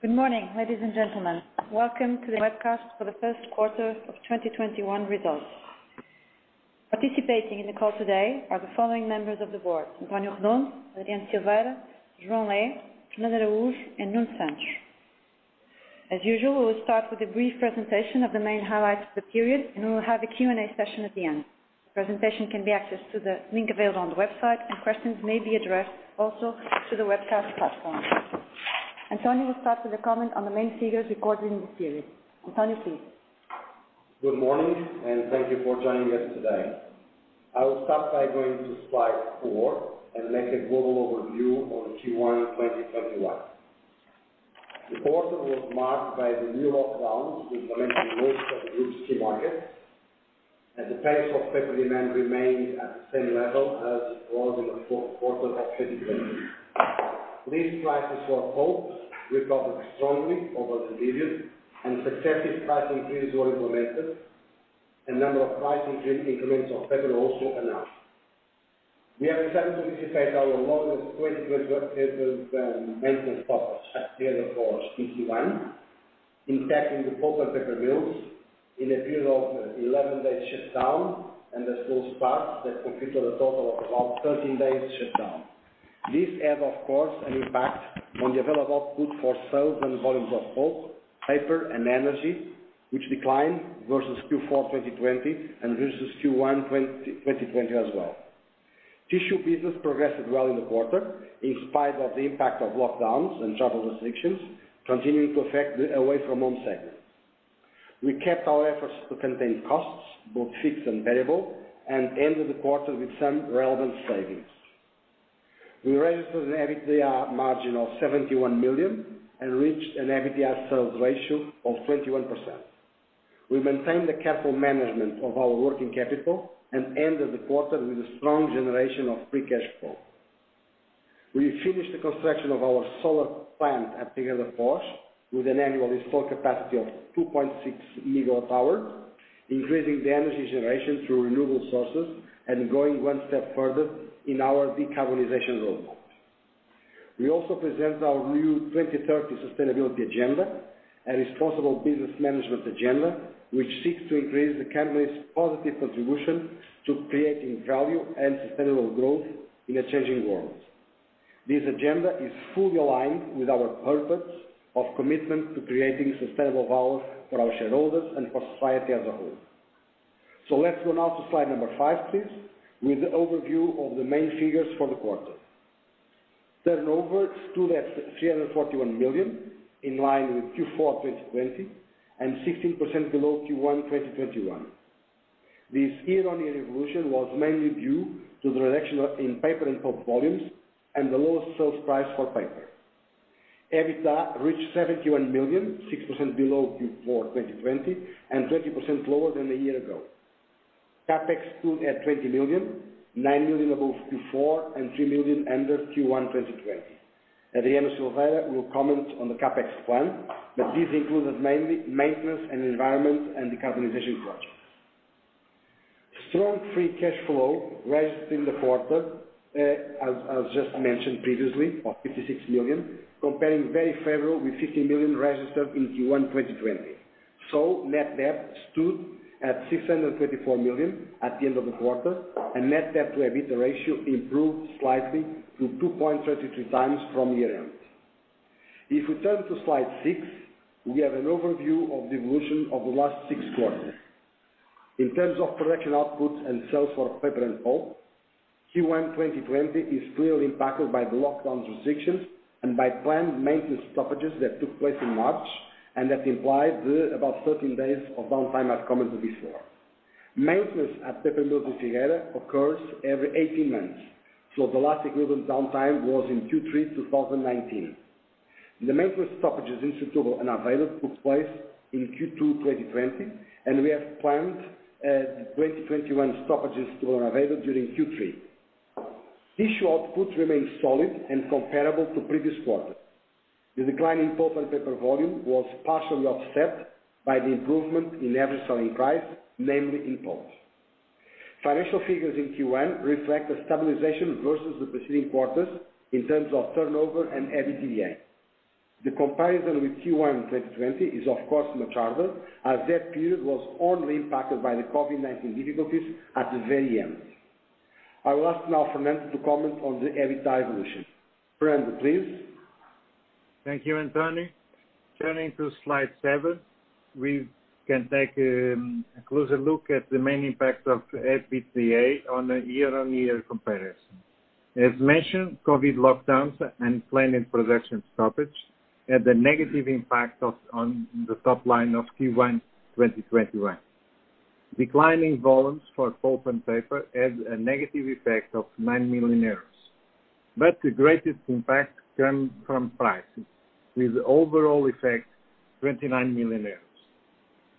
Good morning, ladies and gentlemen. Welcome to the webcast for the Q1 of 2021 results. Participating in the call today are the following members of the board, António Redondo, Adriano Silveira, João Lé, Fernando Rui, and Nuno Santos. As usual, we'll start with a brief presentation of the main highlights of the period, and we'll have a Q&A session at the end. Presentation can be accessed through the link available on the website, and questions may be addressed also to the webcast platform. António will start with a comment on the main figures recorded in this period. António, please. Good morning, and thank you for joining us today. I will start by going to slide four and make a global overview on Q1 2021. The quarter was marked by the new lockdowns we collected most of the key markets, and the pace of paper demand remained at the same level as it was in the Q4 of 2020. These prices for pulp recovered strongly over the period and successive price increases were implemented, and number of price increase increments of paper also announced. We have certainly anticipate our model of 2020 mental stops at the end of Q1, impacting the pulp and paper mills in a period of 11 days shutdown and the slow start that computed a total of about 13 days shutdown. This had, of course, an impact on the available output for sales and volumes of pulp, paper, and energy, which declined versus Q4 2020 and versus Q1 2020 as well. Tissue business progressed well in the quarter, in spite of the impact of lockdowns and travel restrictions continuing to affect the away-from-home segment. We kept our efforts to contain costs, both fixed and variable, and ended the quarter with some relevant savings. We registered an EBITDA margin of 71 million and reached an EBITDA sales ratio of 21%. We maintained the careful management of our working capital and ended the quarter with a strong generation of free cash flow. We finished the construction of our solar plant at Figueira da Foz with an annual installed capacity of 2.6 MW, increasing the energy generation through renewable sources and going one step further in our decarbonization roadmap. We also present our new 2030 sustainability agenda and responsible business management agenda, which seeks to increase the company's positive contribution to creating value and sustainable growth in a changing world. This agenda is fully aligned with our purpose of commitment to creating sustainable value for our shareholders and for society as a whole. Let's go now to slide number five, please, with the overview of the main figures for the quarter. Turnover stood at 341 million, in line with Q4 2020 and 16% below Q1 2021. This year-on-year evolution was mainly due to the reduction in paper and pulp volumes and the lower sales price for paper. EBITDA reached 71 million, 6% below Q4 2020 and 20% lower than a year ago. CapEx stood at 20 million, 9 million above Q4 and 3 million under Q1 2020. Adriano Silveira will comment on the CapEx plan, but this included mainly maintenance and environment and decarbonization costs. Strong free cash flow registered in the quarter, as just mentioned previously, of 56 million, comparing very favorably with 15 million registered in Q1 2020. Net debt stood at 624 million at the end of the quarter, and net debt to EBITDA ratio improved slightly to 2.33x from year end. We turn to slide six, we have an overview of the evolution of the last six quarters. In terms of production output and sales for paper and pulp, Q1 2020 is clearly impacted by the lockdown restrictions and by planned maintenance stoppages that took place in March and that implied about 13 days of downtime are common to this year. Maintenance at paper mill of Figueira da Foz occurs every 18 months, so the last equivalent downtime was in Q3 2019. The maintenance stoppages in Setúbal and Aveiro took place in Q2 2020, and we have planned the 2021 stoppages to Aveiro during Q3. Tissue outputs remain solid and comparable to previous quarters. The decline in pulp and paper volume was partially offset by the improvement in average selling price, namely in pulps. Financial figures in Q1 reflect a stabilization versus the preceding quarters in terms of turnover and EBITDA. The comparison with Q1 2020 is of course material, as that period was only impacted by the COVID-19 difficulties at the very end. I'll ask now for Fernando to comment on the EBITDA evolution. Fernando, please. Thank you, António. Turning to slide seven, we can take a closer look at the main impact of EBITDA on a year-on-year comparison. As mentioned, COVID lockdowns and planned production stoppage had a negative impact on the top line of Q1 2021. Declining volumes for pulp and paper had a negative effect of 9 million euros. The greatest impact came from prices, with the overall effect 29 million.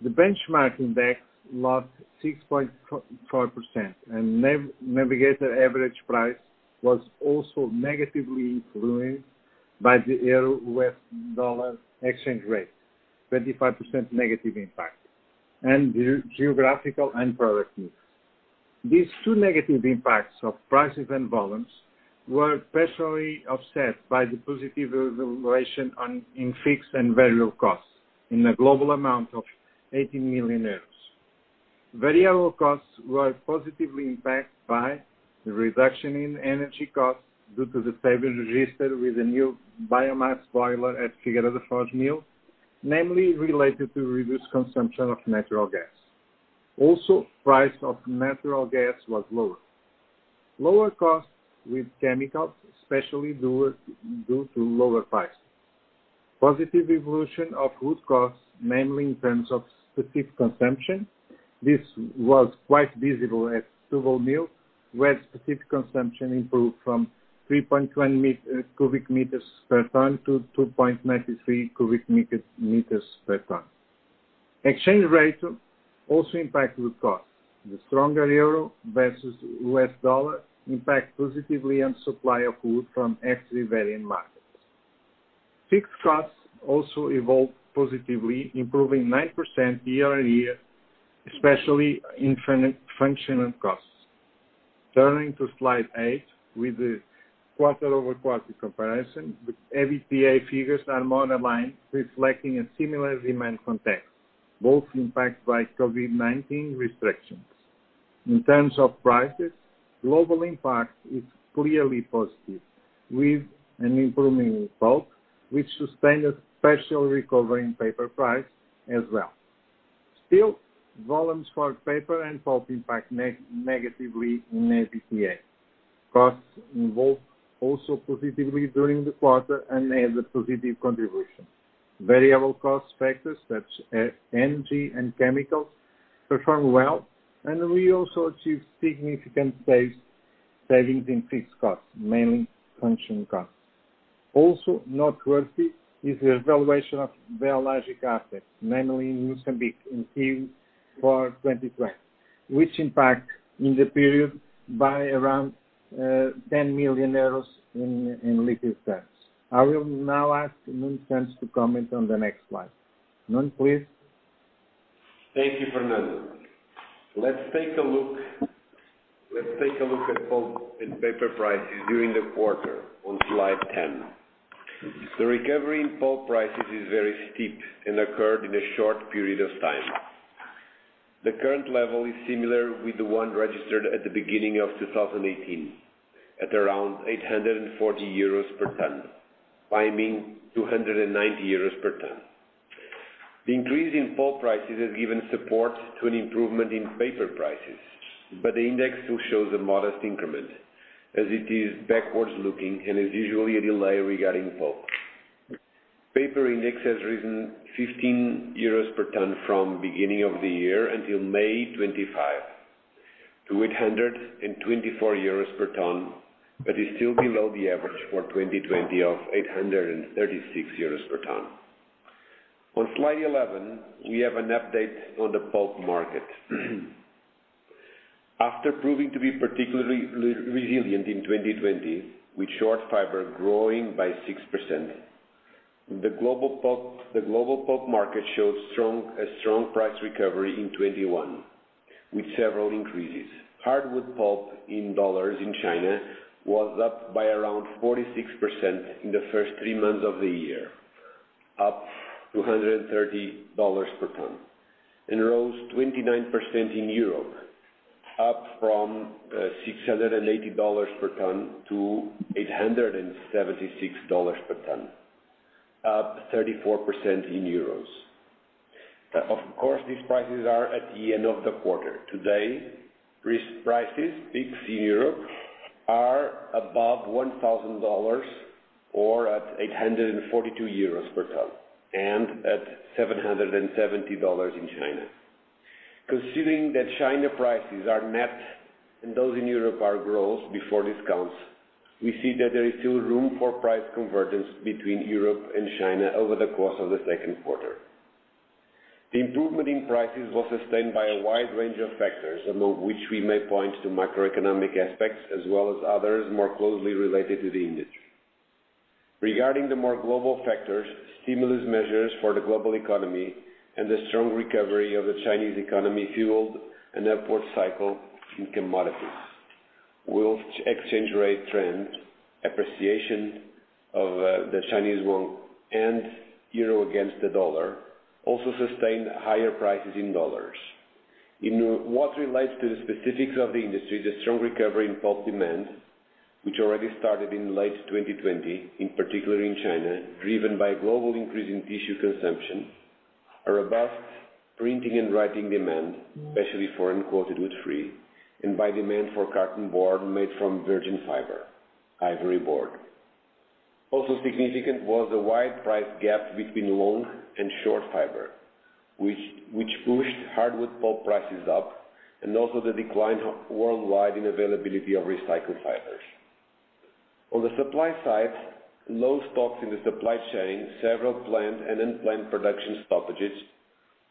The benchmarking index logged 6.4%, Navigator average price was also negatively influenced by the Euro-U.S. dollar exchange rate, 25% negative impact, and geographical and product mix. These two negative impacts of prices and volumes were partially offset by the positive evaluation in fixed and variable costs in a global amount of 80 million euros. Variable costs were positively impacted by the reduction in energy costs due to the savings registered with the new biomass boiler at Figueira da Foz mill, namely related to reduced consumption of natural gas. Price of natural gas was lower. Lower costs with chemicals, especially due to lower prices. Positive evolution of wood costs, mainly in terms of specific consumption. This was quite visible at 2Mill, where specific consumption improved from 3.1 m³/t-2.93 m³/t. Exchange rates also impact wood cost. The stronger euro versus U.S. dollar impact positively on supply of wood from externally varying markets. Fixed costs also evolved positively, improving 9% year-on-year, especially in functional costs. Turning to slide eight with the quarter-over-quarter comparison, EBITDA figures are more aligned, reflecting a similar demand context, both impacted by COVID-19 restrictions. In terms of prices, global impact is clearly positive with an improving pulp, which sustained a special recovery in paper price as well. Still, volumes for paper and pulp impact negatively in EBITDA. Costs involved also positively during the quarter and had a positive contribution. Variable cost factors such as energy and chemicals performed well, and we also achieved significant savings in fixed costs, mainly functional costs. Also noteworthy is the revaluation of biologic assets, mainly in Mozambique, in Q4 2020, which impact in the period by around 10 million euros in liquid terms. I will now ask Nuno Santos to comment on the next slide. Nuno, please. Thank you, Fernando. Let's take a look at pulp and paper prices during the quarter on slide 10. The recovery in pulp prices is very steep and occurred in a short period of time. The current level is similar with the one registered at the beginning of 2018, at around 840 euros per ton, climbing 290 euros per ton. The increase in pulp prices has given support to an improvement in paper prices, but the index still shows a modest increment as it is backwards looking and is usually a delay regarding pulp. Paper index has risen 15 euros per ton from beginning of the year until May 25 to 824 euros per ton, but is still below the average for 2020 of 836 euros per ton. On slide 11, we have an update on the pulp market. After proving to be particularly resilient in 2020, with short fiber growing by 6%, the global pulp market showed a strong price recovery in 2021, with several increases. Hardwood pulp in dollars in China was up by around 46% in the first three months of the year, up $230 per ton, and rose 29% in Europe, up from $680 per ton to $876 per ton, up 34% in euros. Of course, these prices are at the end of the quarter. Today, risk prices, fixing Europe are above $1,000 or at 842 euros per ton and at $770 in China. Considering that China prices are net and those in Europe are gross before discounts, we see that there is still room for price convergence between Europe and China over the course of the Q2. The improvement in prices was sustained by a wide range of factors, among which we may point to macroeconomic aspects as well as others more closely related to the industry. Regarding the more global factors, stimulus measures for the global economy and the strong recovery of the Chinese economy fueled an upward cycle in commodities. World exchange rate trend, appreciation of the Chinese yuan and euro against the dollar also sustained higher prices in dollars. In what relates to the specifics of the industry, the strong recovery in pulp demand, which already started in late 2020, in particular in China, driven by global increase in tissue consumption, a robust printing and writing demand, especially for uncoated free paper, and by demand for carton board made from virgin fiber, ivory board. Also significant was the wide price gap between long and short fiber, which pushed hardwood pulp prices up and also the decline worldwide in availability of recycled fibers. On the supply side, low stocks in the supply chain, several planned and unplanned production stoppages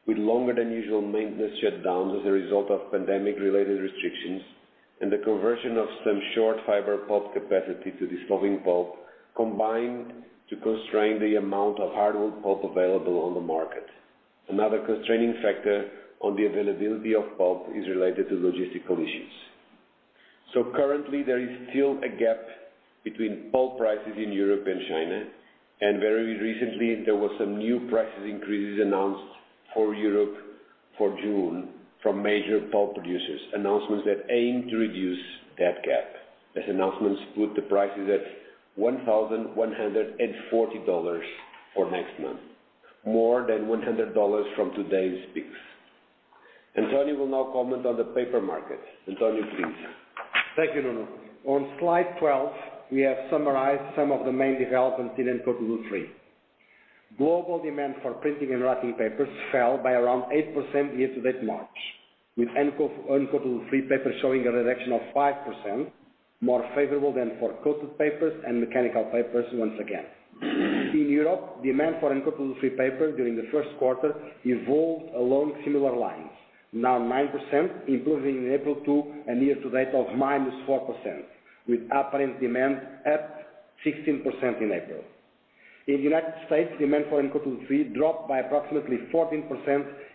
with longer than usual maintenance shutdowns as a result of pandemic-related restrictions, and the conversion of some short fiber pulp capacity to the dissolving pulp combined to constrain the amount of hardwood pulp available on the market. Another constraining factor on the availability of pulp is related to logistical issues. Currently, there is still a gap between pulp prices in Europe and China. Very recently there were some new price increases announced for Europe for June from major pulp producers, announcements that aim to reduce that gap. These announcements put the prices at $1,140 for next month, more than $100 from today's fix. António will now comment on the paper market. António, please. Thank you, Nuno. On slide 12, we have summarized some of the main developments in UWF. Global demand for printing and writing papers fell by around 8% year-to-date March, with UWF paper showing a reduction of 5%, more favorable than for coated papers and mechanical papers once again. In Europe, demand for UWF paper during the Q1 evolved along similar lines, now 9%, improving in April to a year to date of -4%, with apparent demand up 16% in April. In the U.S., demand for UWF dropped by approximately 14%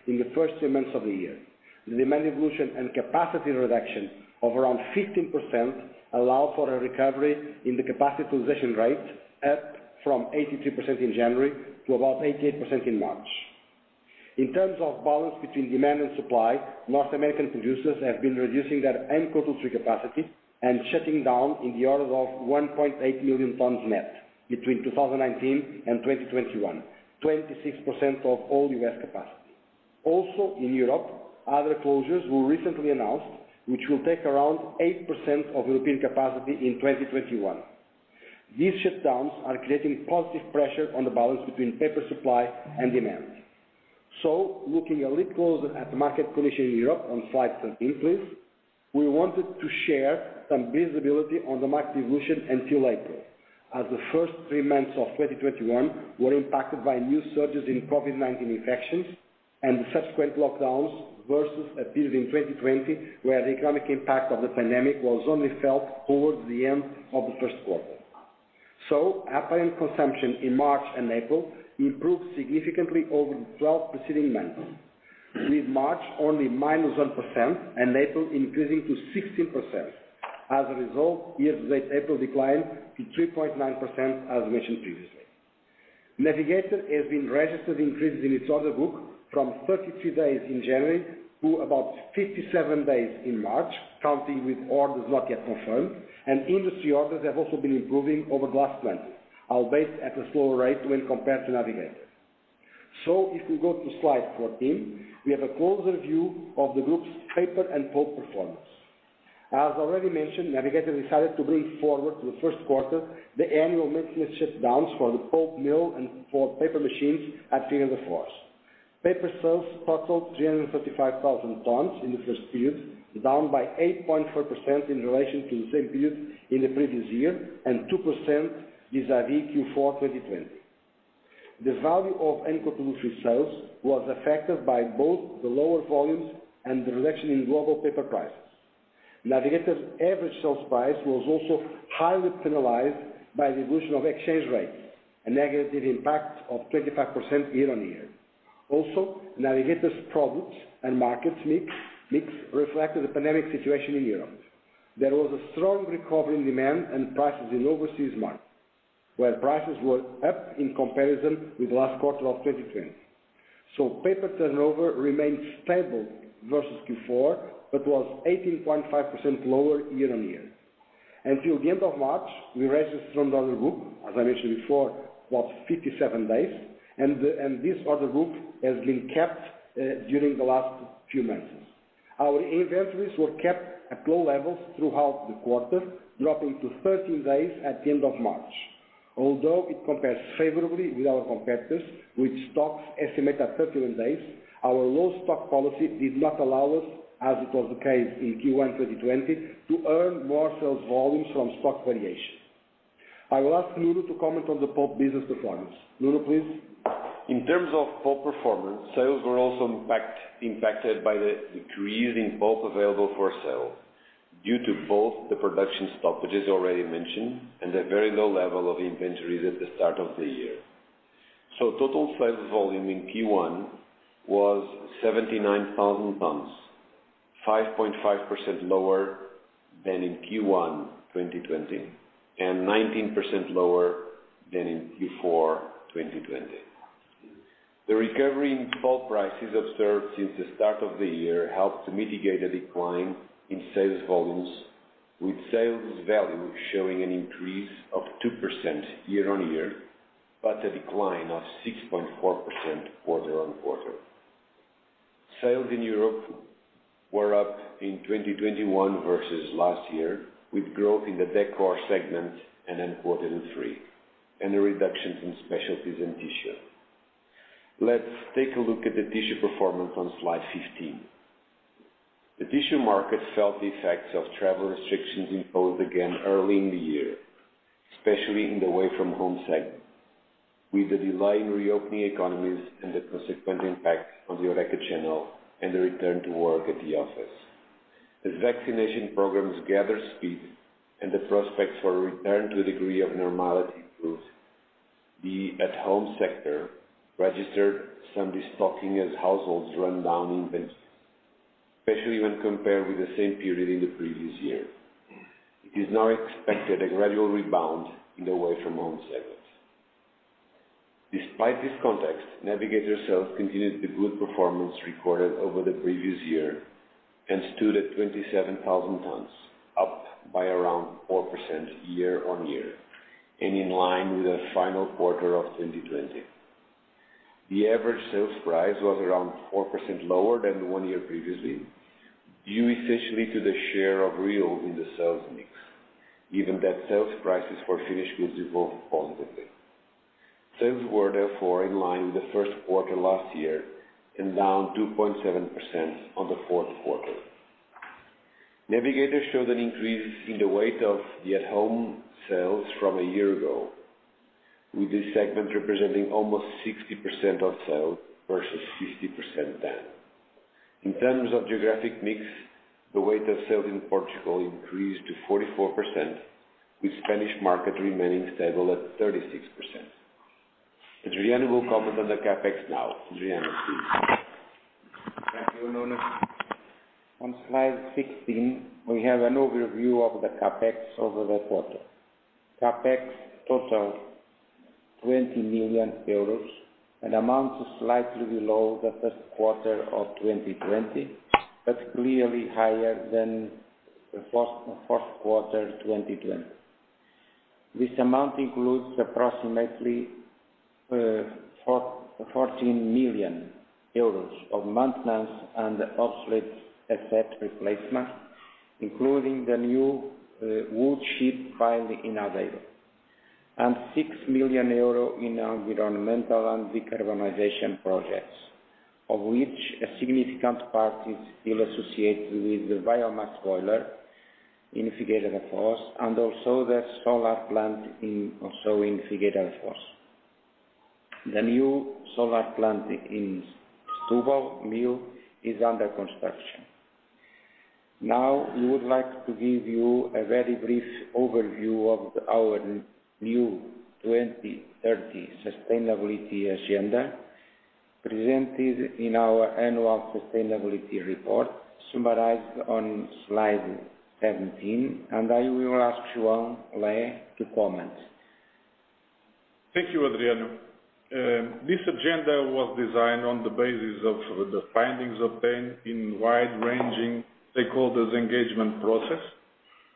in the first three months of the year. The demand evolution and capacity reduction of around 15% allow for a recovery in the capacity utilization rate, up from 83% in January to about 88% in March. In terms of balance between demand and supply, North American producers have been reducing their N3 capacity and shutting down in the order of 1.8 million tons net between 2019 and 2021, 26% of all U.S. capacity. Also in Europe, other closures were recently announced, which will take around 8% of European capacity in 2021. These shutdowns are creating positive pressure on the balance between paper supply and demand. Looking a little closer at the market condition in Europe on slide 13, please, we wanted to share some visibility on the market evolution until April, as the first three months of 2021 were impacted by new surges in COVID-19 infections and the subsequent lockdowns, versus at the end of 2020, where the economic impact of the pandemic was only felt towards the end of the Q1. Apparent consumption in March and April improved significantly over the 12 preceding months, with March only -1% and April increasing to 16%. Year-to-date April declined to 3.9%, as mentioned previously. Navigator has been registering increases in its order book from 33 days in January to about 57 days in March, counting with orders not yet confirmed, and industry orders have also been improving over the last month, albeit at a slower rate when compared to Navigator. If we go to slide 14, we have a closer view of the group's paper and pulp performance. As already mentioned, Navigator decided to bring forward to the Q1 the annual maintenance shutdowns for the pulp mill and for paper machines at three of the four sites. Paper sales totaled 335,000 tons in the first period, down by 8.4% in relation to the same period in the previous year and 2% vis-à-vis Q4 2020. The value of N3 sales was affected by both the lower volumes and the reduction in global paper prices. Navigator's average sales price was also highly penalized by the evolution of exchange rates, a negative impact of 25% year-on-year. Navigator's products and markets mix reflected the pandemic situation in Europe. There was a strong recovery in demand and prices in overseas markets, where prices were up in comparison with the last quarter of 2020. Paper turnover remained stable versus Q4 but was 18.5% lower year-on-year. Until the end of March, we registered an order group, as I mentioned before, was 57 days, and this order group has been kept during the last few months. Our inventories were kept at low levels throughout the quarter, dropping to 13 days at the end of March. Although it compares favorably with our competitors, with stocks estimated at 31 days, our low stock policy did not allow us, as was the case in Q1 2020, to earn more sales volumes from stock valuation. I will ask Nuno to comment on the pulp business performance. Nuno, please. In terms of pulp performance, sales were also impacted by the decrease in pulp available for sale due to both the production stoppage already mentioned and the very low level of inventories at the start of the year. Total sales volume in Q1 was 79,000 tons, 5.5% lower than in Q1 2020 and 19% lower than in Q4 2020. The recovery in pulp prices observed since the start of the year helped to mitigate a decline in sales volumes, with sales value showing an increase of 2% year-on-year, but a decline of 6.4% quarter-on-quarter. Sales in Europe were up in 2021 versus last year, with growth in the decor segment and UWF and a reduction in specialties and tissue. Let's take a look at the tissue performance on slide 15. The tissue market felt the effects of travel restrictions imposed again early in the year, especially in the away-from-home segment, with the delayed reopening economies and the consequent impact on the HoReCa channel and the return to work at the office. As vaccination programs gather speed and the prospects for a return to a degree of normality improve, the at-home sector registered some destocking as households run down inventory, especially when compared with the same period in the previous year. It is now expected a gradual rebound in the away-from-home segment. Despite this context, Navigator Sales continued the good performance recorded over the previous year and stood at 27,000 tons, up by around 4% year-on-year and in line with the final quarter of 2020. The average sales price was around 4% lower than one year previously, due essentially to the share of reel in the sales mix, given that sales prices for finished goods were up positively. Sales were therefore in line with the Q1 last year and down 2.7% on the Q4. Navigator showed an increase in the weight of the at-home sales from a year ago, with this segment representing almost 60% of sales versus 60% then. In terms of geographic mix, the weight of sale in Portugal increased to 44%, with Spanish market remaining stable at 36%. Adriano will comment on the CapEx now. Adriano, please. Thank you, Nuno. On slide 16, we have an overview of the CapEx over the quarter. CapEx totaled 20 million euros, an amount slightly below the Q1 of 2020, but clearly higher than the Q1 2020. This amount includes approximately 14 million euros of maintenance and obsolete asset replacement, including the new wood chip pile in Aveiro, and 6 million euro in environmental and decarbonization projects, of which a significant part is still associated with the biomass boiler in Figueira da Foz, and also the solar plant also in Figueira da Foz. The new solar plant in Setúbal mill is under construction. Now, we would like to give you a very brief overview of our new 2030 sustainability agenda presented in our annual sustainability report, summarized on slide 17, and I will ask João Lé to comment. Thank you, Adriano. This agenda was designed on the basis of the findings obtained in wide-ranging stakeholders engagement process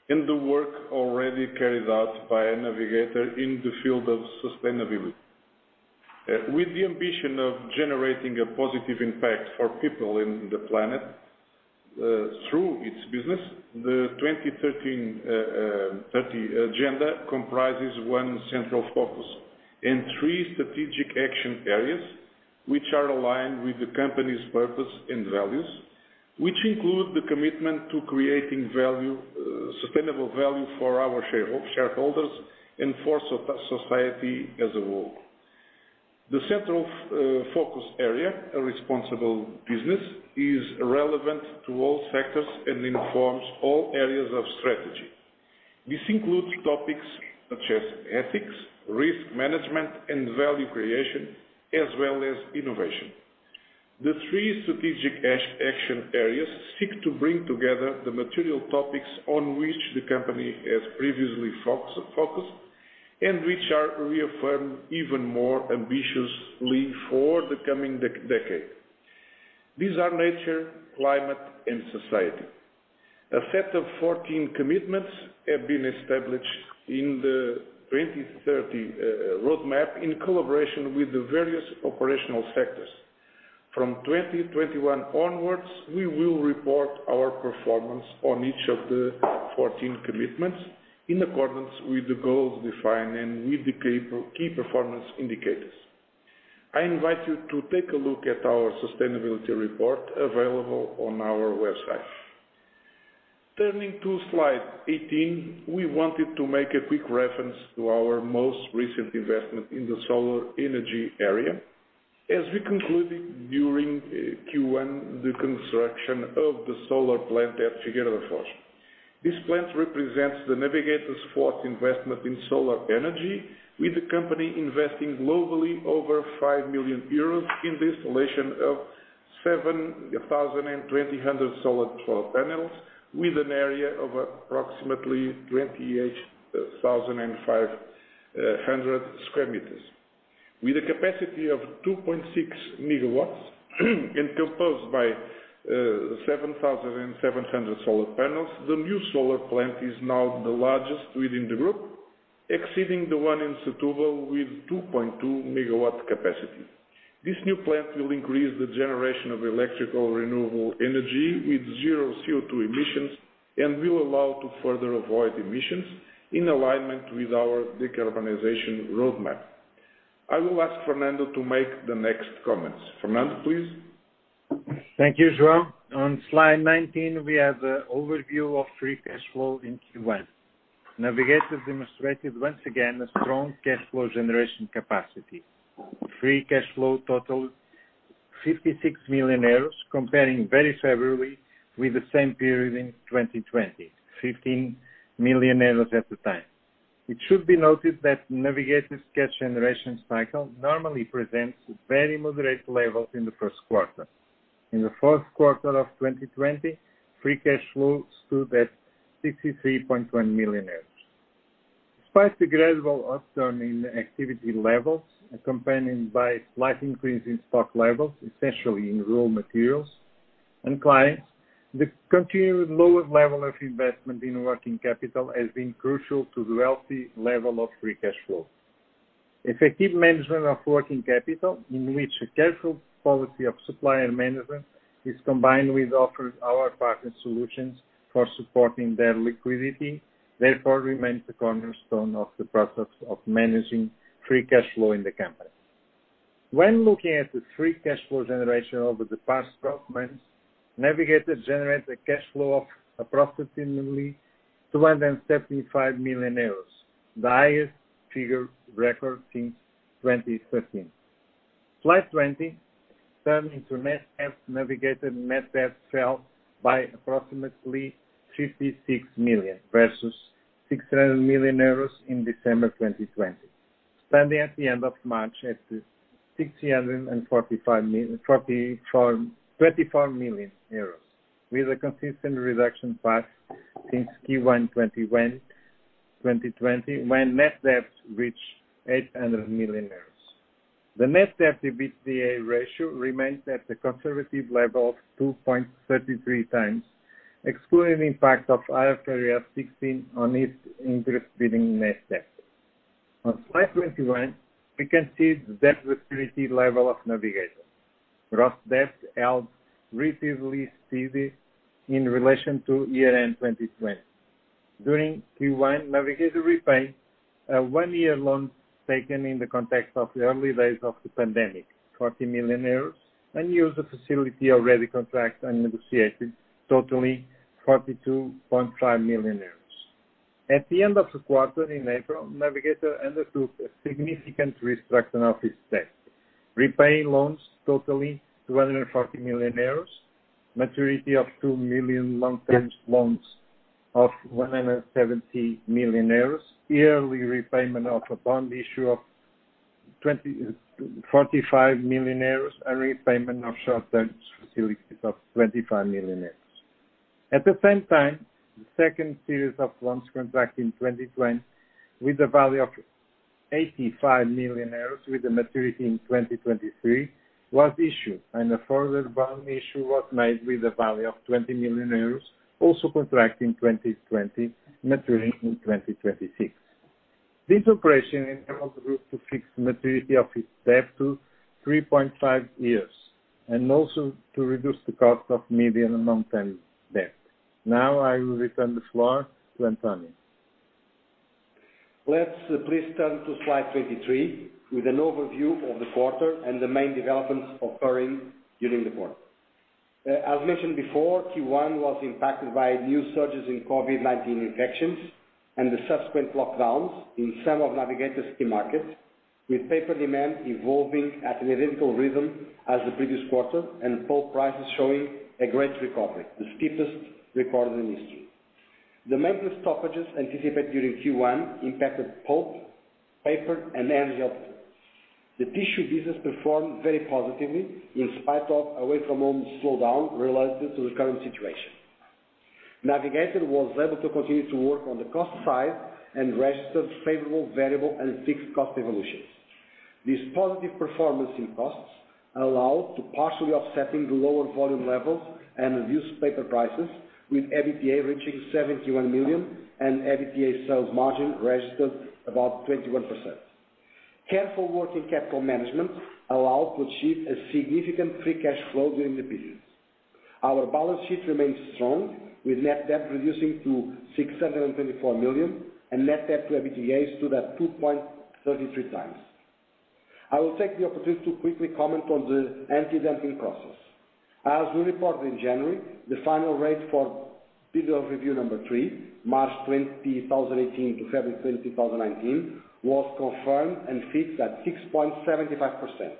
and the work already carried out by Navigator in the field of sustainability. With the ambition of generating a positive impact for people and the planet, through its business, the 2030 Agenda comprises one central focus and three strategic action areas, which are aligned with the company's purpose and values, which include the commitment to creating sustainable value for our shareholders and for society as a whole. The central focus area, a responsible business, is relevant to all sectors and informs all areas of strategy. This includes topics such as ethics, risk management, and value creation, as well as innovation. The three strategic action areas seek to bring together the material topics on which the company has previously focused, and which are reaffirmed even more ambitiously for the coming decade. These are nature, climate, and society. A set of 14 commitments have been established in the 2030 roadmap in collaboration with the various operational sectors. From 2021 onwards, we will report our performance on each of the 14 commitments in accordance with the goals defined and with the key performance indicators. I invite you to take a look at our sustainability report available on our website. Turning to slide 18, we wanted to make a quick reference to our most recent investment in the solar energy area, as we concluded during Q1, the construction of the solar plant at Figueira da Foz. This plant represents The Navigator Company's fourth investment in solar energy, with the company investing globally over 5 million euros in the installation of 7,200 solar panels, with an area of approximately 28,500 sq m. With a capacity of 2.6 MW and composed by 7,700 solar panels, the new solar plant is now the largest within the group, exceeding the one in Setúbal with 2.2 MW capacity. This new plant will increase the generation of electrical renewable energy with zero CO2 emissions and will allow to further avoid emissions in alignment with our decarbonization roadmap. I will ask Fernando to make the next comments. Fernando, please. Thank you, João. On slide 19, we have an overview of free cash flow in Q1. Navigator demonstrated once again a strong cash flow generation capacity. Free cash flow totaled 56 million euros, comparing very favorably with the same period in 2020, 15 million euros at the time. It should be noted that Navigator's cash generation cycle normally presents very moderate levels in the Q1. In the Q4 of 2020, free cash flow stood at 63.1 million euros. Despite the gradual upturn in activity levels accompanied by a slight increase in stock levels, especially in raw materials and clients, the continued lower level of investment in working capital has been crucial to the healthy level of free cash flow. Effective management of working capital, in which a careful policy of supplier management is combined with offered our partner solutions for supporting their liquidity, therefore remains a cornerstone of the process of managing free cash flow in the company. When looking at the free cash flow generation over the past 12 months, The Navigator Company generated a cash flow of approximately 275 million euros, the highest figure recorded since 2013. Slide 20. Turning to net debt, The Navigator Company's net debt fell by approximately 56 million versus 600 million euros in December 2020, standing at the end of March at 624 million, with a consistent reduction path since Q1 2020 when net debt reached EUr 800 million. The net debt-to-EBITDA ratio remains at the conservative level of 2.33x, excluding the impact of IFRS 16 on its interest in net debt. On slide 21, we can see the debt maturity level of The Navigator Company. Gross debt held relatively steady in relation to year-end 2020. During Q1, The Navigator Company repaid a one-year loan taken in the context of the early days of the pandemic, 40 million euros, and used a facility already contracted and negotiated totaling 42.5 million euros. At the end of the quarter in April, Navigator undertook a significant restructure of its debt, repaying loans totaling 240 million euros, maturity of two million long-term loans of 170 million euros, yearly repayment of a bond issue of 45 million euros, and repayment of short-term facilities of 25 million euros. At the same time, the second series of loans contracted in 2020 with a value of 85 million euros with a maturity in 2023 was issued, and a further bond issue was made with a value of 20 million euros, also contracted in 2020, maturing in 2026. This operation enabled the group to fix maturity of its debt to 3.5 years, and also to reduce the cost of medium and long-term debt. Now, I will return the floor to António. Let's please turn to slide 23 with an overview of the quarter and the main developments occurring during the quarter. As mentioned before, Q1 was impacted by new surges in COVID-19 infections and the subsequent lockdowns in some of Navigator's key markets, with paper demand evolving at an identical rhythm as the previous quarter and pulp prices showing a great recovery, the steepest recorded in history. The maintenance stoppages anticipated during Q1 impacted pulp, paper, and energy output. The tissue business performed very positively in spite of away-from-home slowdown relative to the current situation. Navigator was able to continue to work on the cost side and registered favorable variable and fixed cost evolutions. This positive performance in costs allowed to partially offsetting the lower volume levels and reduced paper prices, with EBITDA reaching 71 million and EBITDA sales margin registered about 21%. Careful working capital management allowed to achieve a significant free cash flow during the period. Our balance sheet remains strong, with net debt reducing to 624 million and net debt to EBITDA stood at 2.33x. I will take the opportunity to quickly comment on the anti-dumping process. As we reported in January, the final rate for period of review number three, March 2018 to February 2019, was confirmed and fixed at 6.75%.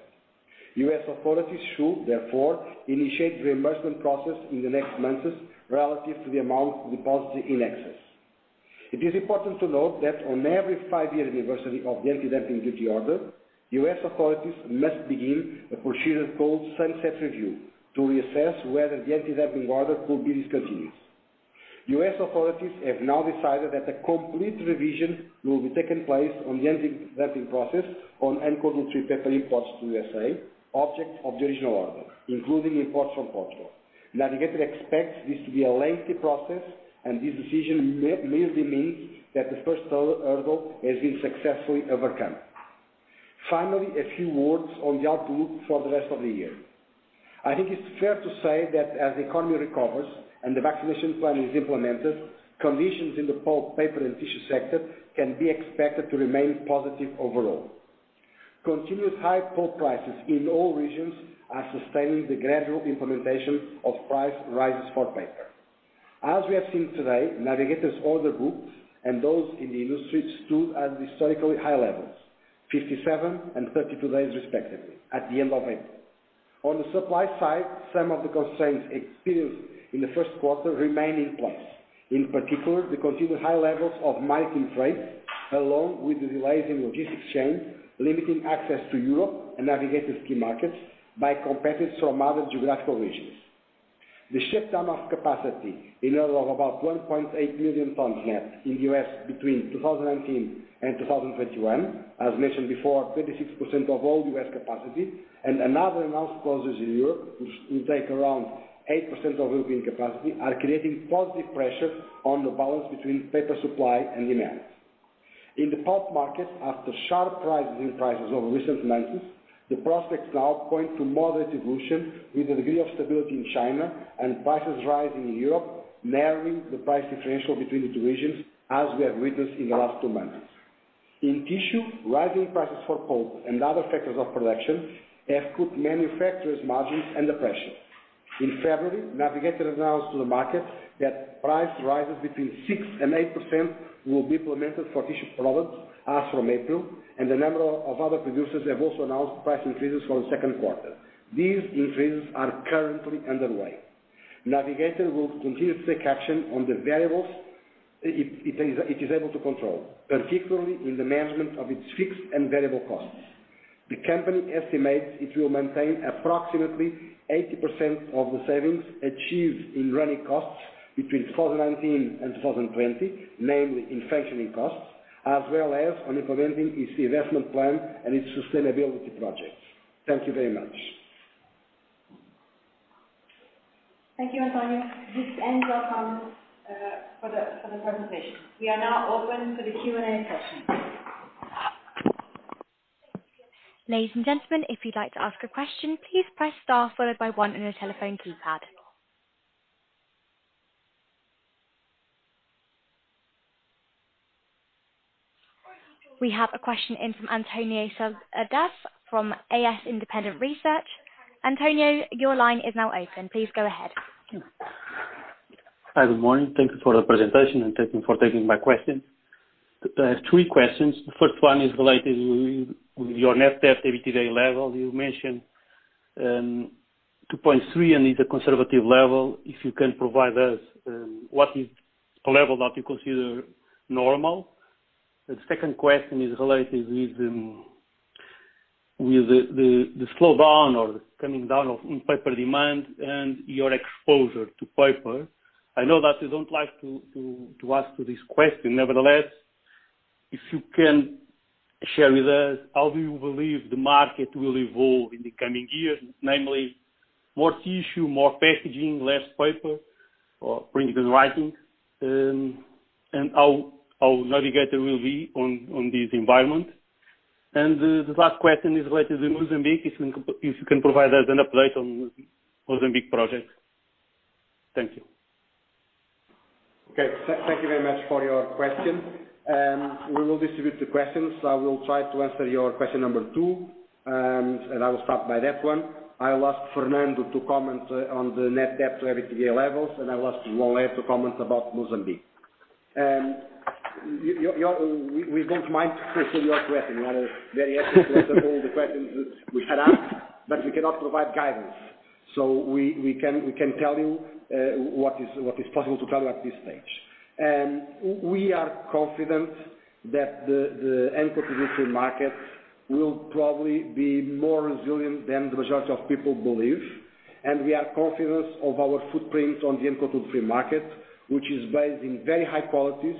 U.S. authorities should, therefore, initiate the reimbursement process in the next months relative to the amount deposited in excess. It is important to note that on every five-year anniversary of the anti-dumping duty order, U.S. authorities must begin a procedure called Sunset Review to reassess whether the anti-dumping order could be discontinued. U.S. authorities have now decided that a complete revision will be taking place on the anti-dumping process on uncoated free paper imports to USA, object of judicial order, including imports from Portugal. Navigator expects this to be a lengthy process, and this decision may indicate that the first hurdle has been successfully overcome. Finally, a few words on the outlook for the rest of the year. I think it's fair to say that as the economy recovers and the vaccination plan is implemented, conditions in the pulp, paper, and tissue sector can be expected to remain positive overall. Continued high pulp prices in all regions are sustaining the gradual implementation of price rises for paper. As we have seen today, Navigator's order book and those in the industry stood at historically high levels, 57 and 32 days respectively at the end of April. On the supply side, some of the constraints experienced in the Q1 remain in place. In particular, the continued high levels of maritime freight, along with the delays in logistics chain, limiting access to Europe and Navigator's key markets by competitors from other geographical regions. The shutdown of capacity in order of about 1.8 million tons here in the U.S. between 2018 and 2021, as mentioned before, 26% of all U.S. capacity and another announced closures in Europe, which will take around 8% of European capacity, are creating positive pressure on the balance between paper supply and demand. In the pulp market, after sharp rises in prices over recent months, the prospects now point to moderate evolution with a degree of stability in China and prices rising in Europe, narrowing the price differential between the two regions as we have witnessed in the last two months. In tissue, rising prices for pulp and other factors of production have put manufacturers' margins under pressure. In February, Navigator announced to the market that price rises between 6% and 8% will be implemented for tissue products as from April, and a number of other producers have also announced price increases for the Q2. These increases are currently underway. Navigator will continue to take action on the variables it is able to control, particularly with the management of its fixed and variable costs. The company estimates it will maintain approximately 80% of the savings achieved in running costs between 2019 and 2020, namely in functioning costs, as well as when implementing its investment plan and its sustainability projects. Thank you very much. Thank you, António. This ends our time for the presentation. We are now open to the Q&A session. Ladies and gentlemen, if you'd like to ask a question, please press star followed by one on your telephone keypad. We have a question in from António Seladas from A|S Independent Research. António, your line is now open. Please go ahead. Hi, good morning. Thank you for the presentation. Thank you for taking my question. I have three questions. The first one is related with your net debt to EBITDA level. You mentioned 2.3 is a conservative level. If you can provide us what is the level that you consider normal. The second question is related with the slowdown or coming down of in-paper demand and your exposure to paper. I know that you don't like to answer this question. Nevertheless, if you can share with us, how do you believe the market will evolve in the coming years, namely more tissue, more packaging, less paper or print and writing, how Navigator will be on this environment. The last question is related to Mozambique, if you can provide us an update on Mozambique project. Thank you. Okay. Thank you very much for your question. We will distribute the questions. I will try to answer your question number two, and I will start with that one. I'll ask Fernando to comment on the net debt to EBITDA levels, and I'll ask João to comment about Mozambique. We don't mind answering your question. That's all the questions we shall have, but we cannot provide guidance. We can tell you what is possible to tell at this stage. We are confident that the end consumer market will probably be more resilient than the majority of people believe, and we are confident of our footprint on the end consumer market, which is based in very high qualities,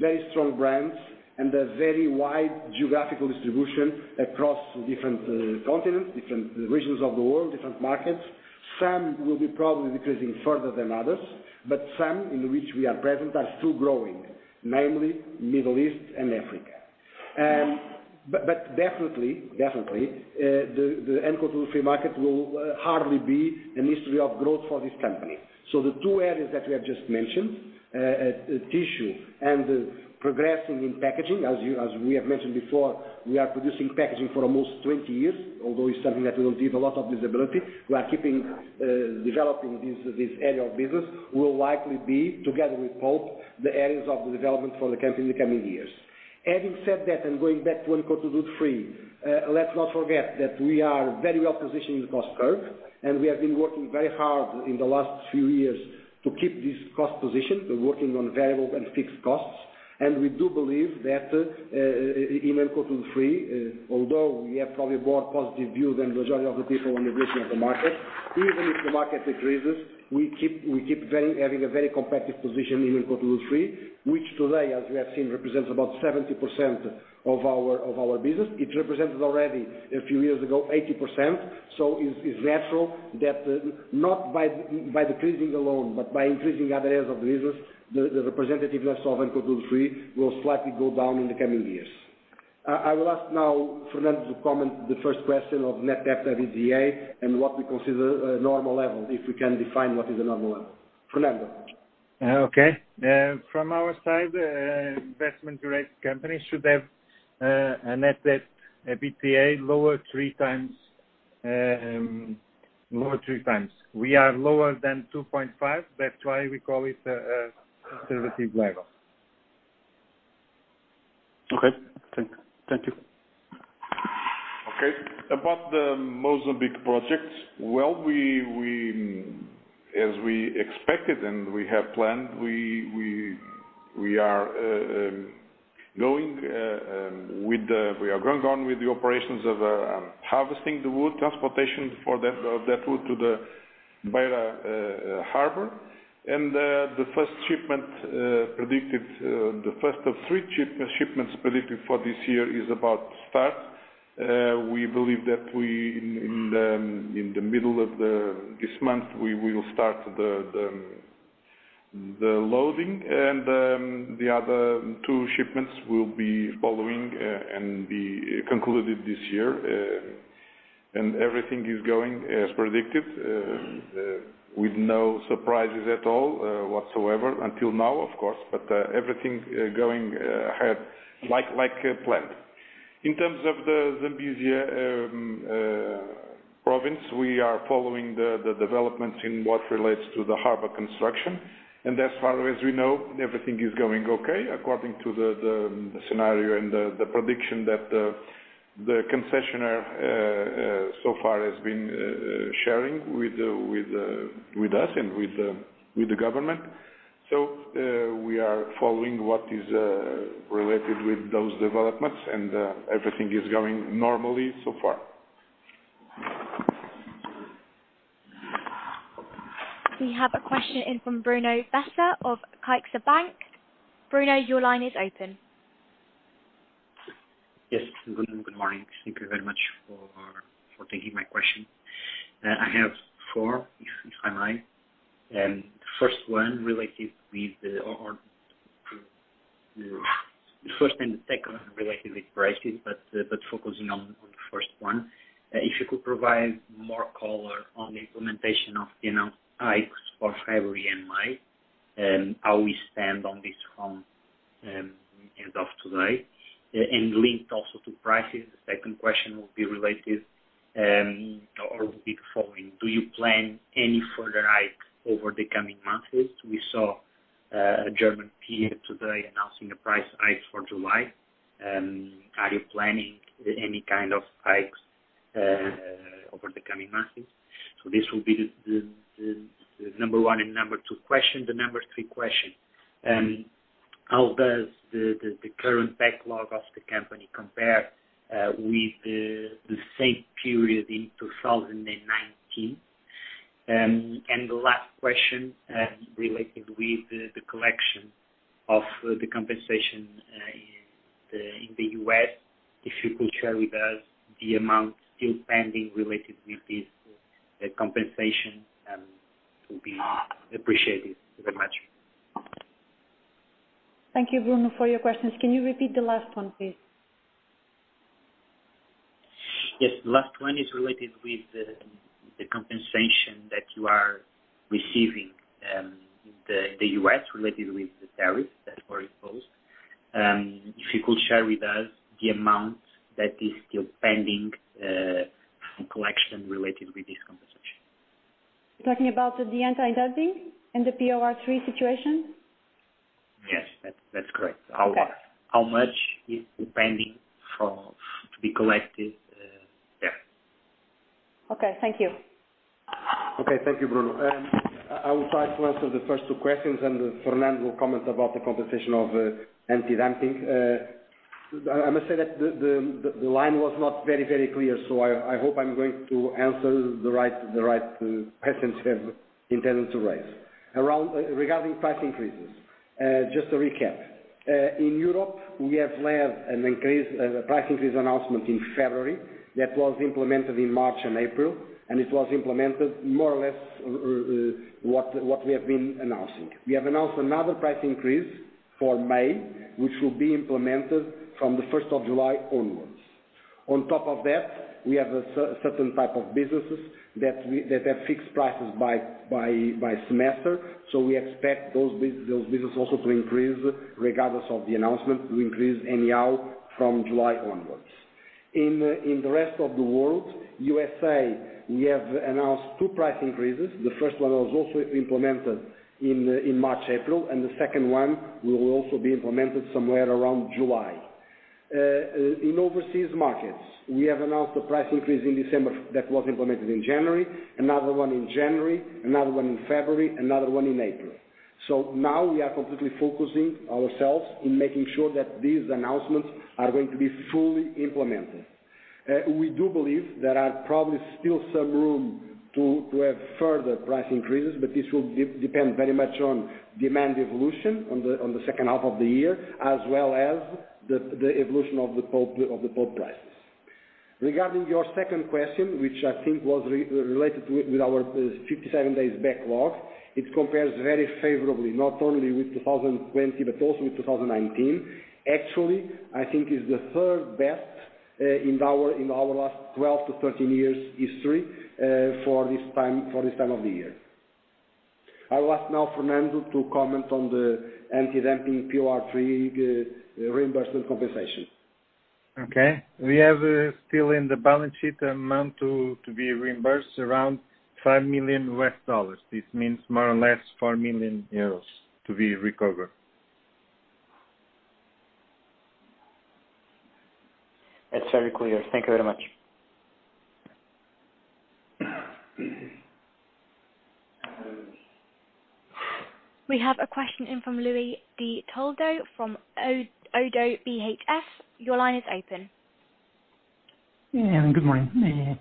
very strong brands, and a very wide geographical distribution across different continents, different regions of the world, different markets. Some will be probably decreasing further than others, some in which we are present are still growing, namely Middle East and Africa. Definitely, the end consumer market will hardly be a mystery of growth for this company. The two areas that we have just mentioned, tissue and progressing in packaging, as we have mentioned before, we are producing packaging for almost 20 years. Although we started with a lot of visibility, we are keeping developing this area of business will likely be together with pulp, the areas of development for the company in the coming years. Having said that, and going back to end consumer, let's not forget that we are very well positioned in the cost curve, and we have been working very hard in the last few years to keep this cost position. We're working on variable and fixed costs, and we do believe that in end consumer, although we have probably more positive views than the majority of the people when we look at the market, even if the market decreases, we keep having a very competitive position in end consumer, which today, as we have seen, represents about 70% of our business. It represented already a few years ago, 80%. It's natural that not by decreasing alone, but by increasing other areas of business, the representativeness of end consumer will slightly go down in the coming years. I will ask now Fernando to comment the first question of net debt to EBITDA and what we consider a normal level, if we can define what is a normal level. Fernando? From our side, investment-grade companies should have a net debt EBITDA lower 3x. We are lower than 2.5x. That's why we call it a conservative level. Okay. Thank you. Okay. About the Mozambique project, as we expected, and we have planned, we are going on with the operations of harvesting the wood, transportation of that wood to the Beira harbor. The first of three shipments predicted for this year is about to start. We believe that in the middle of this month, we will start the loading, and the other two shipments will be following and be concluded this year. Everything is going as predicted, with no surprises at all whatsoever until now, of course, but everything is going ahead like we had planned. In terms of the Zambezia province, we are following the developments in what relates to the harbor construction. As far as we know, everything is going okay according to the scenario and the prediction that the concessionaire so far has been sharing with us and with the government. We are following what is related with those developments, and everything is going normally so far. We have a question in from Bruno Bessa of CaixaBank. Bruno, your line is open. Yes, good morning. Thank you very much for taking my question. I have four, if it is fine. The first and second are related with prices, focusing on the first one. If you could provide more color on the implementation of price hikes for February and May, how we stand on this front at the end of today? Linked also to prices, the second question would be related, or would be the following: Do you plan any further hike over the coming months? We saw a German peer today announcing a price hike for July. Are you planning any kind of hikes over the coming months? This will be the number one and number two question. The number three question, how does the current backlog of the company compare with the same period in 2019? The last question, related with the collection of the compensation in the U.S., if you could share with us the amount still pending related with this compensation, it would be appreciated very much. Thank you, Bruno, for your questions. Can you repeat the last one, please? Yes. The last one is related with the compensation that you are receiving in the U.S. related with the tariffs, that's what it calls. If you could share with us the amount that is still pending for collection related with this compensation. Talking about the anti-dumping and the PR3 situation? Yes, that's correct. Okay. How much is pending to be collected there? Okay, thank you. Okay. Thank you, Bruno. I will try to answer the first two questions, and Fernando will comment about the compensation of anti-dumping. I must say that the line was not very clear. I hope I'm going to answer the right questions you intended to raise. Regarding price increases, just to recap, in Europe, we have led an price increase announcement in February that was implemented in March and April. It was implemented more or less what we have been announcing. We have announced another price increase for May, which will be implemented from the 1st of July onwards. On top of that, we have a certain type of businesses that have fixed prices by semester. We expect those businesses also to increase regardless of the announcement, to increase anyhow from July onwards. In the rest of the world, USA, we have announced two price increases. The first one was also implemented in March, April, and the second one will also be implemented somewhere around July. In overseas markets, we have announced a price increase in December that was implemented in January, another one in January, another one in February, another one in April. Now we are completely focusing ourselves in making sure that these announcements are going to be fully implemented. We do believe there are probably still some room to have further price increases, but this will depend very much on demand evolution on the H2 of the year, as well as the evolution of the pulp prices. Regarding your second question, which I think was related with our 57 days backlog, it compares very favorably not only with 2020 but also with 2019. Actually, I think it's the third best in our last 12-13 years history for this time of the year. I'll ask now Fernando to comment on the anti-dumping PR3 reimbursement compensation. Okay. We have still in the balance sheet amount to be reimbursed around EUR 5 million. This means more or less 4 million euros to be recovered. That's very clear. Thank you very much. We have a question in from Luis de Toledo from Oddo BHF. Your line is open. Good morning.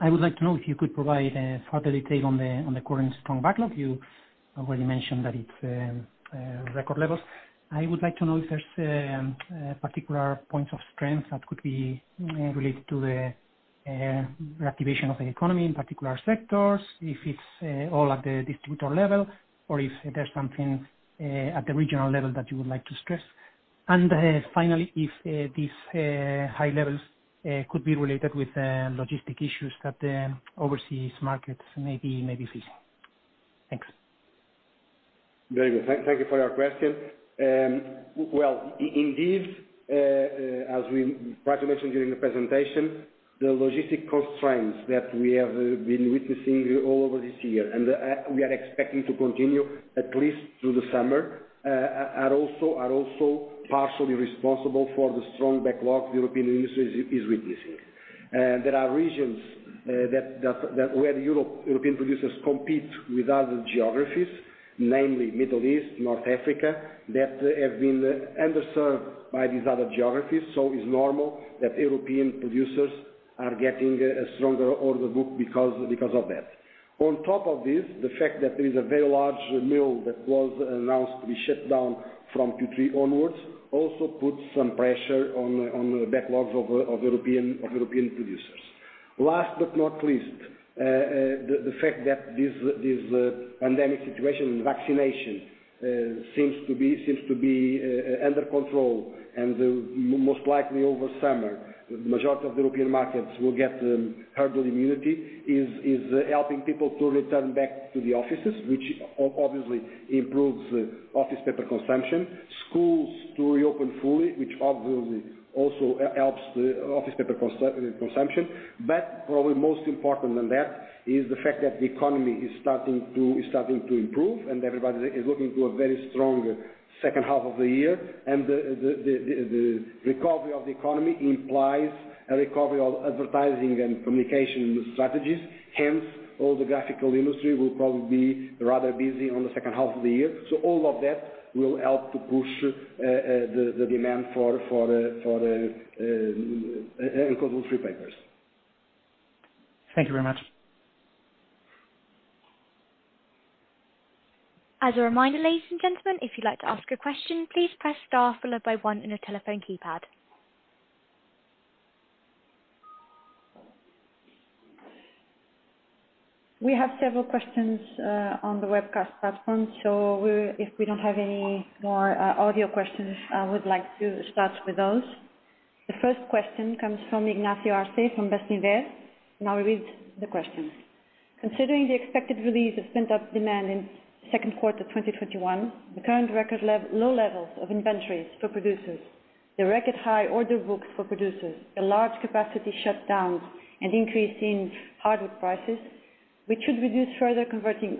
I would like to know if you could provide further detail on the current strong backlog. You already mentioned that it's record levels. I would like to know if there's a particular point of strength that could be related to the reactivation of the economy in particular sectors, if it's all at the distributor level, or if there's something at the regional level that you would like to stress. Finally, if these high levels could be related with logistic issues that the overseas markets may be facing. Thanks. Very well. Thank you for your question. Well, indeed, as we tried to mention during the presentation, the logistic constraints that we have been witnessing all over this year, and we are expecting to continue at least through the summer, are also partially responsible for the strong backlog the European industry is witnessing. There are regions where European producers compete with other geographies, namely Middle East, North Africa, that have been underserved by these other geographies, it's normal that European producers are getting a stronger order book because of that. On top of this, the fact that there is a very large mill that was announced to be shut down from Q3 onwards also puts some pressure on the backlogs of European producers. Last but not least, the fact that this pandemic situation, vaccination seems to be under control and most likely over summer, the majority of European markets will get herd immunity, is helping people to return back to the offices, which obviously improves office paper consumption. Schools to reopen fully, which obviously also helps the office paper consumption. Probably most important than that is the fact that the economy is starting to improve, and everybody is looking to a very strong H2 of the year. The recovery of the economy implies a recovery of advertising and communication strategies. Hence, all the graphical industry will probably be rather busy on the H2 of the year. All of that will help to push the demand for uncoated free papers. Thank you very much. As a reminder, ladies and gentlemen, if you'd like to ask a question, please press star followed by one on your telephone keypad. We have several questions on the webcast platform. If we don't have any more audio questions, I would like to start with those. The first question comes from Ignacio Arce from Bestinver. I read the question. Considering the expected release of pent-up demand in Q2 2021, the current record low levels of inventories for producers, the record high order books for producers, the large capacity shutdowns, and increase in hardwood prices, which should reduce further converting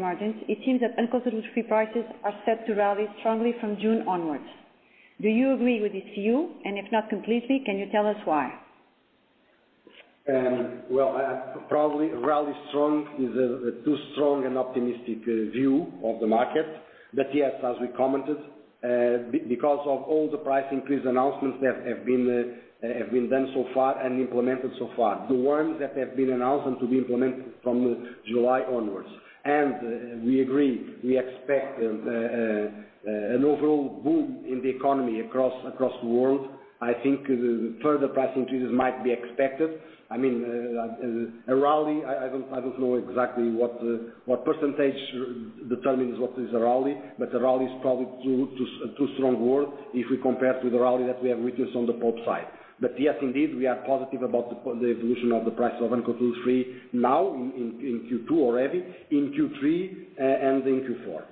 margins, it seems that uncoated free prices are set to rally strongly from June onwards. Do you agree with this view? If not completely, can you tell us why? Well, probably rally strong is a too strong and optimistic view of the market. Yes, as we commented, because of all the price increase announcements that have been done so far and implemented so far, the ones that have been announced and to be implemented from July onwards, and we agree, we expect an overall boom in the economy across the world. I think further price increases might be expected. A rally, I don't know exactly what percentage determines what is a rally, a rally is probably too strong word if we compare to the rally that we have witnessed on the pulp side. Yes, indeed, we are positive about the evolution of the price of uncoated free now in Q2 already, in Q3, and in Q4.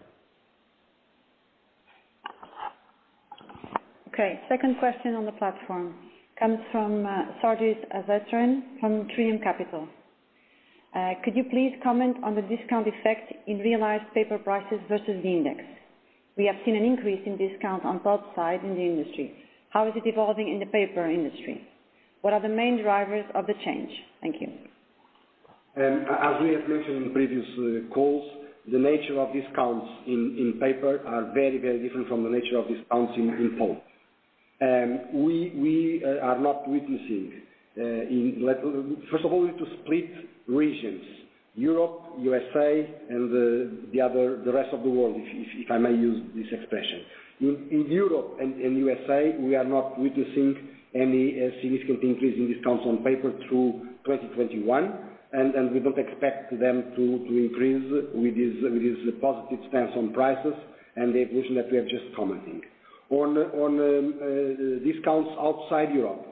Okay. Second question on the platform comes from Sajid Azatrin from Trillium Capital. Could you please comment on the discount effect in realized paper prices versus the index? We have seen an increase in discount on pulp side in the industry. How is it evolving in the paper industry? What are the main drivers of the change? Thank you. As we have mentioned in previous calls, the nature of discounts in paper are very, very different from the nature of discounts in pulp. First of all, we need to split regions, Europe, U.S.A., and the rest of the world, if I may use this expression. In Europe and U.S.A., we are not witnessing any significant increase in discounts on paper through 2021. We don't expect them to increase with this positive stance on prices and the evolution that we are just commenting. On discounts outside Europe.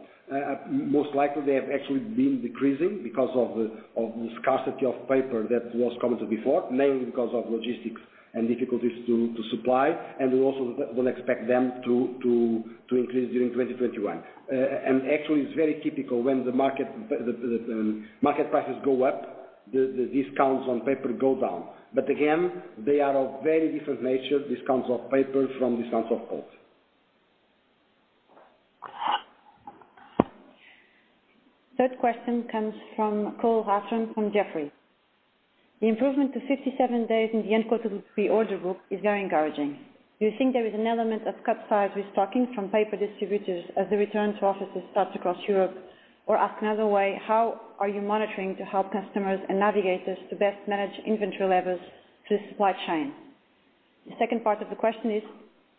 Most likely they have actually been decreasing because of the scarcity of paper that was commented before, mainly because of logistics and difficulties to supply. We also will expect them to increase during 2021. Actually, it's very typical when the market prices go up, the discounts on paper go down. Again, they are of very different nature, discounts of paper from discounts of pulp. Third question comes from Paul Vacheron from Jefferies. The improvement to 57 days in the uncoated free order book is very encouraging. Do you think there is an element of cut size restocking from paper distributors as the return to offices starts across Europe? Asked another way, how are you monitoring to help customers and Navigators to best manage inventory levels through the supply chain? The second part of the question is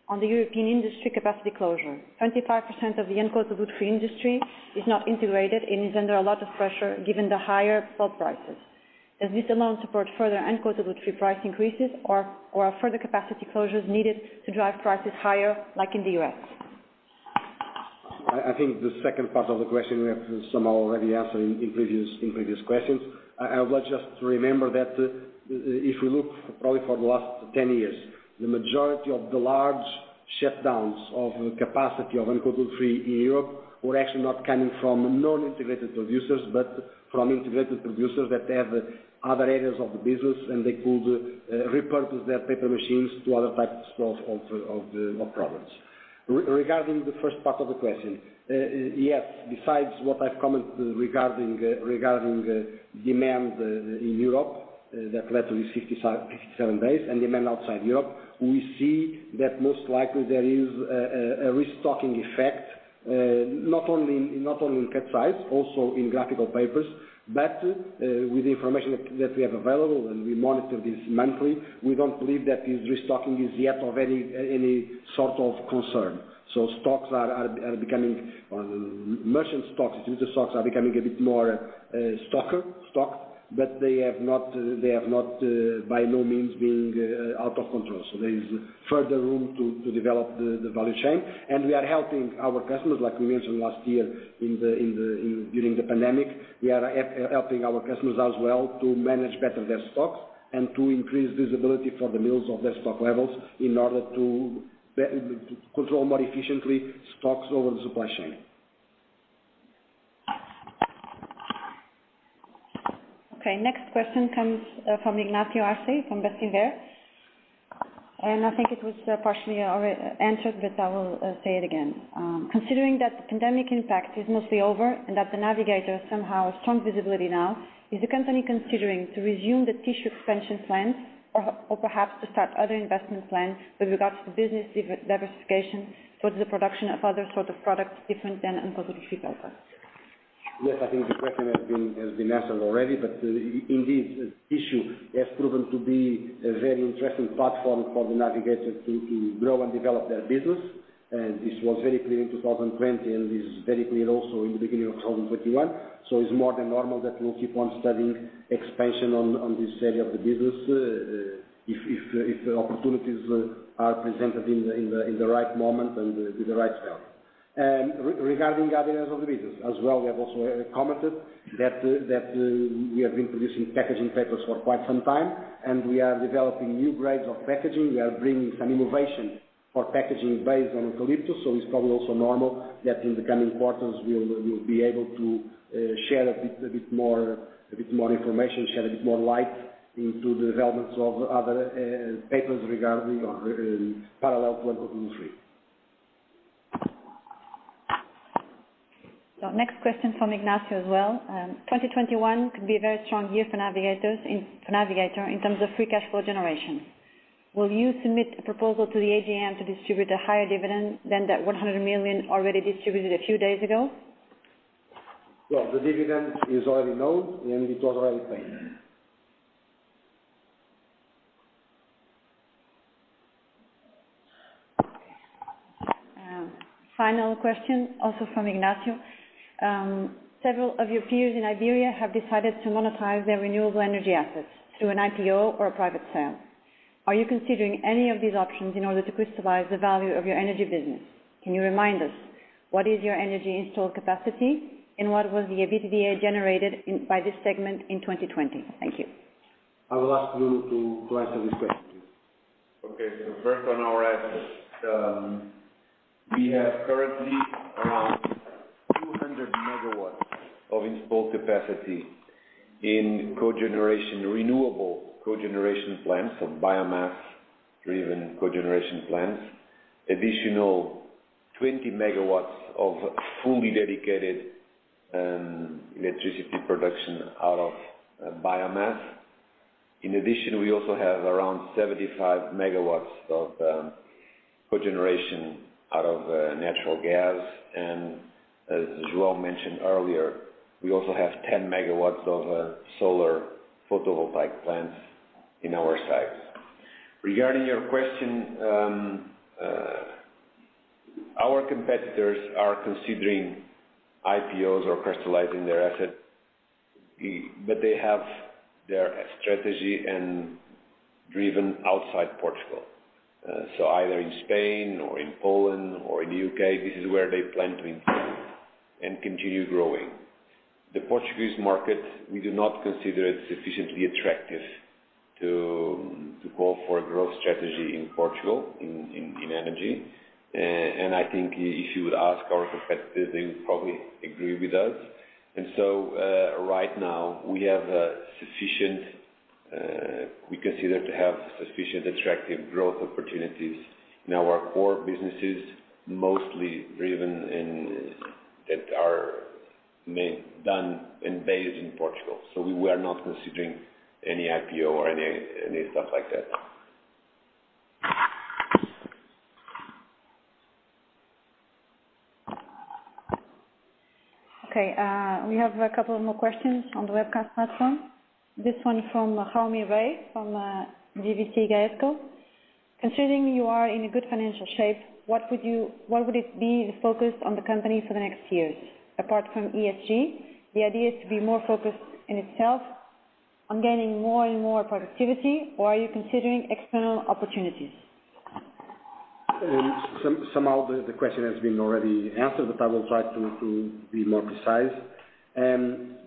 on the European industry capacity closure. 25% of the uncoated free industry is now integrated and is under a lot of pressure given the higher pulp prices. Does this alone support further uncoated free price increases or are further capacity closures needed to drive prices higher like in the U.S.? I think the second part of the question we have somehow already answered in previous questions. I would just remember that if we look probably for the last 10 years, the majority of the large shutdowns of capacity of uncoated free in Europe were actually not coming from non-integrated producers, but from integrated producers that have other areas of the business, and they could repurpose their paper machines to other types of products. Regarding the first part of the question, yes, besides what I've commented regarding demand in Europe, that led to the 57 days, and demand outside Europe, we see that most likely there is a restocking effect, not only in cut size, also in graphical papers, but with the information that we have available, and we monitor this monthly, we don't believe that this restocking is yet of any sort of concern. Merchant stocks are becoming a bit more stocked, but they have not by no means being out of control. There is further room to develop the value chain, and we are helping our customers, like we mentioned last year during the pandemic, we are helping our customers as well to manage better their stocks and to increase visibility for the mills of their stock levels in order to control more efficiently stocks over the supply chain. Okay, next question comes from Ignacio Arce from Bestinver, and I think it was partially answered, but I will say it again. Considering that the pandemic impact is mostly over and that the Navigator has somehow strong visibility now, is the company considering to resume the tissue expansion plans or perhaps to start other investment plans with regards to business diversification towards the production of other sort of products, if and when uncoated free recovers? Yes, I think the question has been answered already, indeed, tissue has proven to be a very interesting platform for Navigator to grow and develop their business. This was very clear in 2020, and this is very clear also in the beginning of 2021. It's more than normal that we'll keep on studying expansion on this area of the business, if the opportunities are presented in the right moment and with the right scale. Regarding other areas of the business, as well, we have also commented that we have been producing packaging papers for quite some time, we are developing new grades of packaging. We are bringing some innovation for packaging based on gKraft, so it's probably also normal that in the coming quarters, we will be able to share a bit more information, shed a bit more light into the developments of other papers regarding our parallel to uncoated free. Next question from Ignacio as well. 2021 could be a very strong year for Navigator in terms of free cash flow generation. Will you submit the proposal to the AGM to distribute a higher dividend than that 100 million already distributed a few days ago? Well, the dividend is already known and it was already paid. Final question, also from Ignacio. Several of your peers in Iberia have decided to monetize their renewable energy assets through an IPO or a private sale. Are you considering any of these options in order to crystallize the value of your energy business? Can you remind us what is your energy installed capacity, and what was the EBITDA generated by this segment in 2020? Thank you. I will ask Nuno to answer this question. Okay, first on our assets. We have currently 200 MW of installed capacity in renewable cogeneration plants, biomass-driven cogeneration plants. Additional 20 MW of fully dedicated electricity production out of biomass. In addition, we also have around 75 MW of cogeneration out of natural gas. As João mentioned earlier, we also have 10 MW of solar photovoltaic plants in our sites. Regarding your question, our competitors are considering IPOs or crystallizing their assets. They have their strategy driven outside Portugal. Either in Spain or in Poland or in the U.K., this is where they plan to invest and continue growing. The Portuguese market, we do not consider it sufficiently attractive to go for a growth strategy in Portugal in energy. I think if you would ask our competitors, they would probably agree with us. Right now we consider to have sufficient attractive growth opportunities in our core businesses, mostly driven in, that are made, done, and based in Portugal. We are not considering any IPO or any stuff like that. Okay. We have a couple more questions on the webcast platform. This one from Romy Ray from GBC-Garesco. Considering you are in a good financial shape, where would it be the focus on the company for next years? Apart from ESG, the idea is to be more focused in itself on gaining more and more productivity, or are you considering external opportunities? The question has been already answered, but I will try to be more precise. The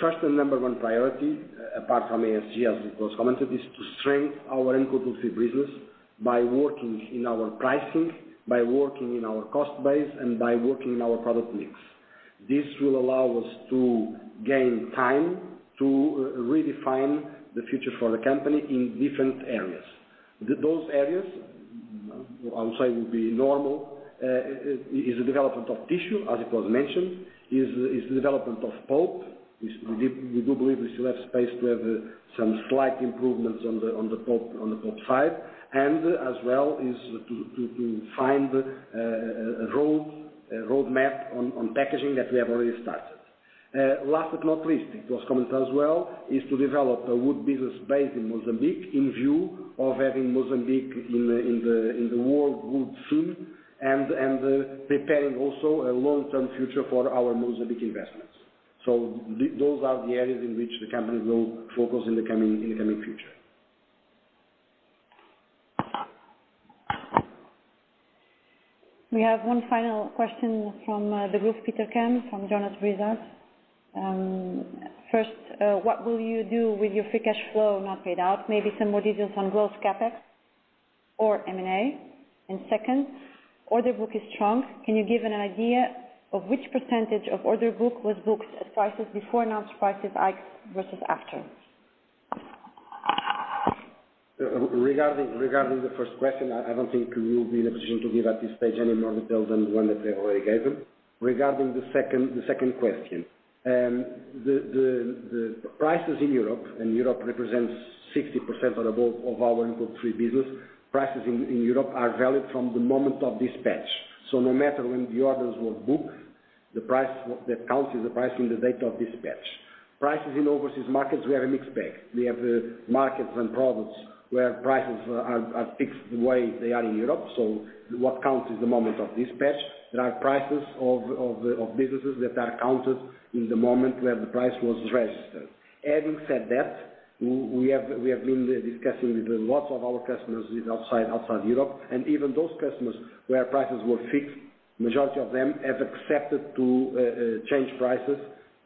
first and number one priority, apart from ESG, as was commented, is to strengthen our N+3 business by working in our pricing, by working in our cost base, and by working in our product mix. This will allow us to gain time to redefine the future for the company in different areas. Those areas, I would say, would be normal, is the development of tissue, as it was mentioned, is the development of pulp. We do believe we still have space to have some slight improvements on the pulp side, and as well is to find a roadmap on packaging that we have already started. Last but not least, it was commented as well, is to develop a wood business base in Mozambique in view of having Mozambique in the world wood soon and preparing also a long-term future for our Mozambique investments. Those are the areas in which the company will focus in the coming future. We have one final question from the group, Peter Ken, from Jonas Vizas. First, what will you do with your free cash flow not paid out? Maybe some ideas on growth CapEx or M&A. Second, order book is strong. Can you give an idea of which percentage of order book was booked at prices before announced prices versus after? Regarding the first question, I don't think we will be in a position to give at this stage any more details than the ones that I already gave them. Regarding the second question, the prices in Europe, and Europe represents 60% or above of our N+3 business, prices in Europe are valid from the moment of dispatch. No matter when the orders were booked, the price that counts is the price on the date of dispatch. Prices in overseas markets, we are a mixed bag. We have markets and products where prices are fixed the way they are in Europe, so what counts is the moment of dispatch. There are prices of businesses that are counted in the moment where the price was registered. Having said that, we have been discussing with lots of our customers outside Europe, and even those customers where prices were fixed, majority of them have accepted to change prices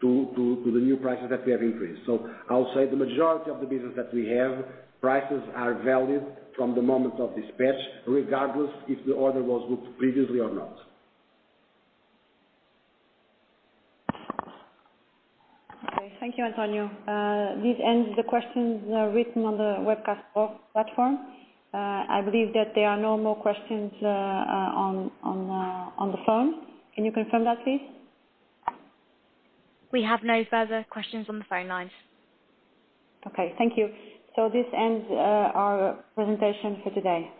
to the new prices that we have increased. I would say the majority of the business that we have, prices are valid from the moment of dispatch, regardless if the order was booked previously or not. Okay. Thank you, Antonio. This ends the questions written on the webcast platform. I believe that there are no more questions on the phone. Can you confirm that, please? We have no further questions on the phone lines. Okay, thank you. This ends our presentation for today.